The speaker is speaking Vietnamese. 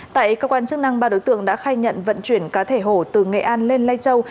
tại cơ quan chức năng ba đối tượng đã khai nhận vận chuyển cá thể hổ từ nghệ an lên lai châu